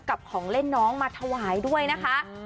ของเล่นน้องมาถวายด้วยนะคะ